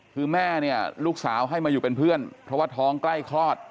คือแม่เนี่ยลูกสาวให้มาอยู่เป็นเพื่อนเพราะว่าท้องใกล้คลอด